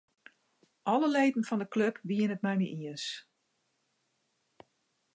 Alle leden fan 'e klup wiene it mei my iens.